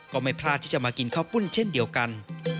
ก็ไม่พลาดที่จะมากินข้าวปุ้นเช่นเดียวกัน